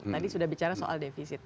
tadi sudah bicara soal defisit